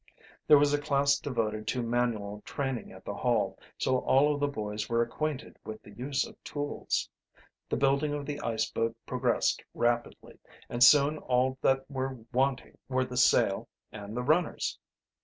There was a class devoted to manual training at the Hall, so all of the boys were acquainted with the use of tools. The building of the iceboat progressed rapidly, and soon all that were wanting were the sail and the runners.